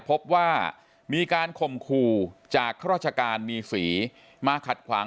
พบว่ามีการข่มขู่จากข้าราชการมีสีมาขัดขวาง